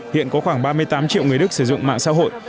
hiện có khoảng ba mươi tám triệu người đức sử dụng mạng xã hội